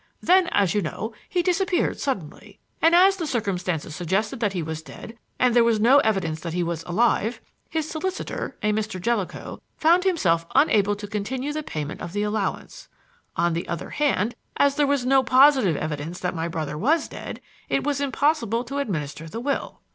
Then, as you know, he disappeared suddenly, and as the circumstances suggested that he was dead, and there was no evidence that he was alive, his solicitor a Mr. Jellicoe found himself unable to continue the payment of the allowance. On the other hand, as there was no positive evidence that my brother was dead, it was impossible to administer the will."